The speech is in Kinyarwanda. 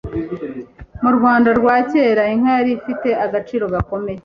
Mu Rwanda rwa kera inka yari ifite agaciro gakomeye